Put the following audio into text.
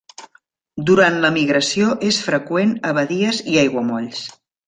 Durant la migració és freqüent a badies i aiguamolls.